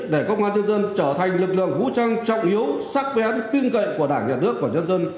để công an nhân dân trở thành lực lượng vũ trang trọng yếu sắc bén tin cậy của đảng nhà nước và nhân dân